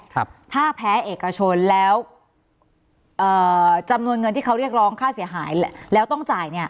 ถ้าแพ้เอกชนแล้วเอ่อจำนวนเงินที่เขาเรียกร้องค่าเสียหายแล้วต้องจ่ายเนี้ย